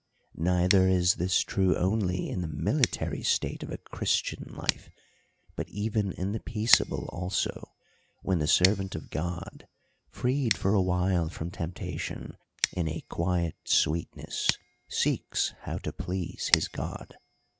Neither is this true only in the military state of a Christian life, but even in the peaceable also ; when the servant of God, freed for a while from temptation, in a quiet sweetness seeks how to please his God.